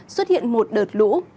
xuất hiện một đợt lũ